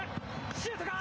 シュートだ。